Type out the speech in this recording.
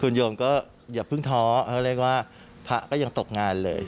คุณโยมก็อย่าเพิ่งท้อเขาเรียกว่าพระก็ยังตกงานเลย